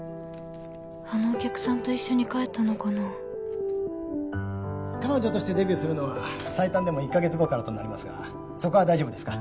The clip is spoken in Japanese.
あのお客さんと一緒に彼女としてデビューするのは最短でも１か月後からとなりますがそこは大丈夫ですか？